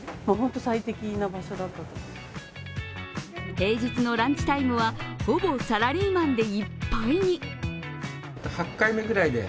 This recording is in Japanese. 平日のランチタイムはほぼサラリーマンでいっぱいに。